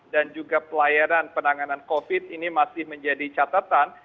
dan juga pelayanan penanganan covid ini masih menjadi catatan